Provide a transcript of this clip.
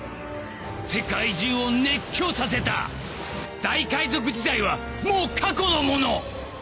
世界中を熱狂させた大海賊時代はもう過去のもの！